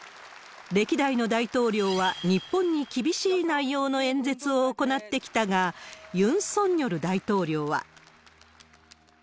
歴代の大統領は日本に厳しい内容の演説を行ってきたが、ユン・ソンニョル大統領は。